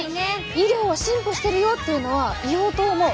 医療は進歩してるよっていうのは言おうと思う！